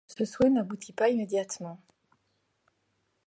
Ce souhait n'aboutit pas immédiatement.